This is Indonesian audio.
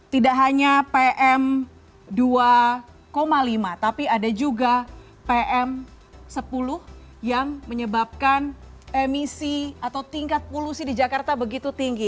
tidak hanya pm dua lima tapi ada juga pm sepuluh yang menyebabkan emisi atau tingkat polusi di jakarta begitu tinggi